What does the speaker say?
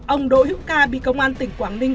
ông đỗ hiễu ca bị công an tỉnh quảng ninh